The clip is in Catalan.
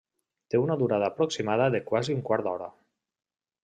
Té una durada aproximada de quasi un quart d'hora.